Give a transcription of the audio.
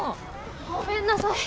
・ごめんなさい。